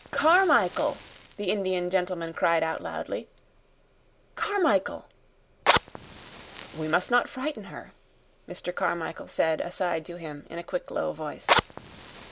"Carmichael!" the Indian gentleman cried out loudly. "Carmichael!" "We must not frighten her," Mr. Carmichael said aside to him in a quick, low voice.